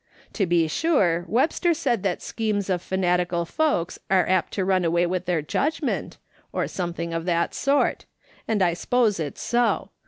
To be sure, Webster said tliat the schemes of fanatical folks are apt to run away with their judgment, or something of that sort ; and I s'pose it's so.